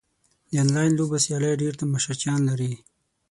د انلاین لوبو سیالۍ ډېر تماشچیان لري.